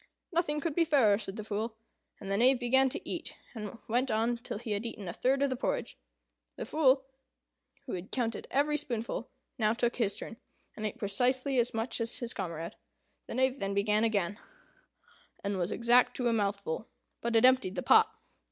"Nothing could be fairer," said the Fool; and the Knave began to eat, and went on till he had eaten a third of the porridge. The Fool, who had counted every spoonful, now took his turn, and ate precisely as much as his comrade. The Knave then began again, and was exact to a mouthful; but it emptied the pot.